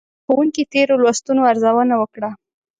ښوونکي تېرو لوستونو ارزونه وکړه.